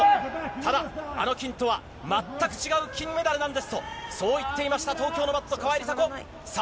ただ、あの金とは全く違う金メダルなんですとそう言っていました東京のマット、川井梨紗子。